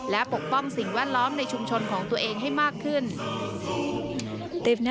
และปกป้องสิ่งแวดล้อมในชุมชนของตัวเองให้มากขึ้น